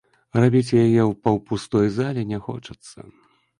Рабіць яе ў паўпустой зале не хочацца.